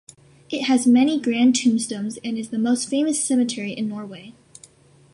It has many grand tombstones and is the most famous cemetery in Norway.